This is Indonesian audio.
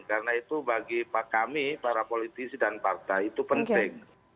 karena itu bagi kami para politisi dan partai itu penting